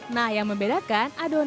nah yang membedakan adonan